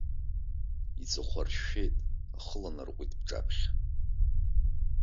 Иҵыхәаршәшәеит, ахы ланарҟәит бҿаԥхьа.